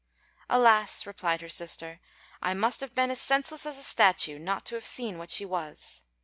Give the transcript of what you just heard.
"Alas!" replied her sister, "I must have been as senseless as a statue not to have seen what she was."